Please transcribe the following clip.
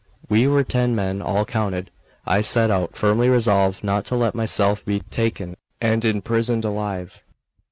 We were ten men, all counted. I set out, firmly resolved not to let myself be taken and imprisoned alive.